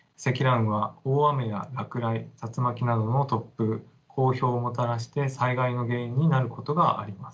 雲は大雨や落雷竜巻などの突風降雹をもたらして災害の原因になることがあります。